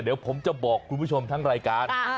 เดี๋ยวผมจะบอกคุณผู้ชมทั้งรายการ